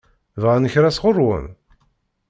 Bɣan kra sɣur-wen?